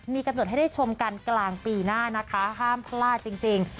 มีกำหนดให้ได้ชมกันกลางปีหน้านะคะห้ามพลาดจริง